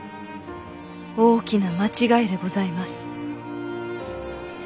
大きな間違いでございます」。